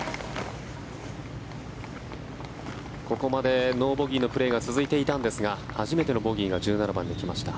ここまでノーボギーのプレーが続いていたんですが初めてのボギーが１７番で来ました。